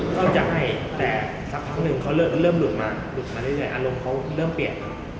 ก็จะให้แต่สักพักหนึ่งเขาเริ่มหลุดมาหลุดมาเรื่อยอารมณ์เขาเริ่มเปลี่ยน